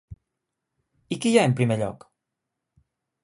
I qui hi ha en primer lloc?